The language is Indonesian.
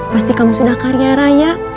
pasti kamu sudah karya raya